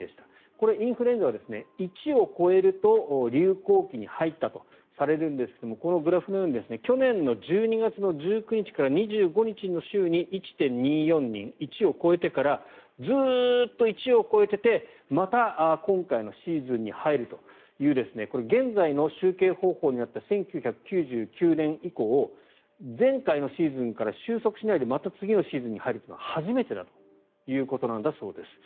これ、インフルエンザは１を超えると流行期に入ったとされるんですがこのグラフのように去年の１２月の１９日から２５日の週に１．２４人、１を超えてからずっと１を超えててまた今回のシーズンに入るという現在の集計方法になった１９９９年以降前回のシーズンから収束しないでまた次のシーズンに入るというのは初めてだということなんだそうです。